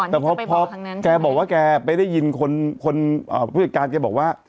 แต่พอแกบอกว่าแกไปได้ยินคนผู้จัดการแกบอกว่า